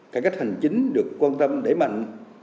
các cách hành chính được quan tâm đẩy mạnh